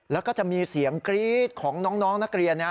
แล้วก็จะมีเสียงกรี๊ดของน้องนักเรียนนะ